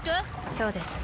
そうです。